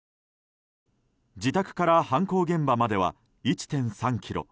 自宅から犯行現場までは１．３ｋｍ。